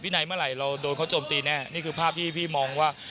ในเมื่อไหร่เราโดนเขาโจมตีแน่นี่คือภาพที่พี่มองว่า